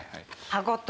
歯ごと。